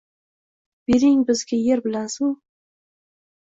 «Bering bizga yer bilan suv